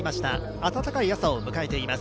暖かい朝を迎えています。